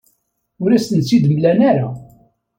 Ur asen-tent-id-mlan ara.